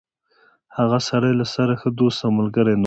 هغه سړی له سره ښه دوست او ملګری نه و.